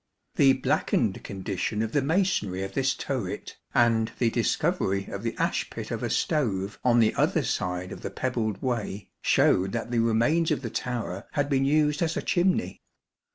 The blackened condition of the masonry of this turret, and the discovery of the ash pit of a stove on the other side of the pebbled way, showed that the remains of the tower had been used as a chimney.